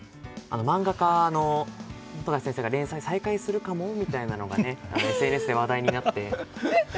漫画家の富樫先生が連載再開するかも？とＳＮＳで話題になって。